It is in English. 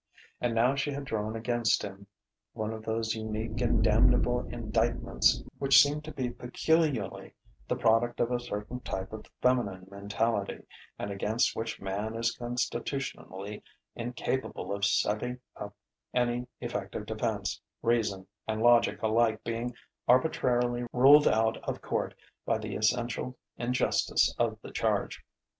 And now she had drawn against him one of those unique and damnable indictments which seem to be peculiarly the product of a certain type of feminine mentality, and against which man is constitutionally incapable of setting up any effective defence, reason and logic alike being arbitrarily ruled out of court by the essential injustice of the charge.